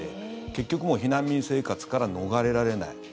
結局、避難民生活から逃れられない。